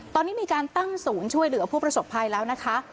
ตอนนี้มีการตั้งศูนย์ช่วยเหลือผู้ประสบภัยแล้วนะคะ